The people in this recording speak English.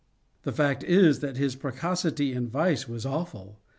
The fact is that his precocity in vice was awful.